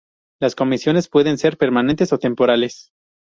Las Comisiones pueden ser "permanentes" o "temporales".